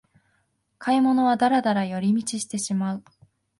買い物はダラダラ寄り道してしまう